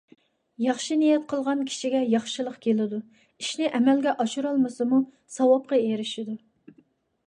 ياخشى نىيەت قىلغان كىشىگە ياخشىلىق كېلىدۇ، ئىشنى ئەمەلگە ئاشۇرالمىسىمۇ، ساۋابقا ئېرىشىدۇ.